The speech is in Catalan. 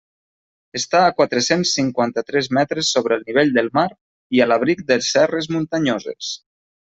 Està a quatre-cents cinquanta-tres metres sobre el nivell del mar i a l'abric de serres muntanyoses.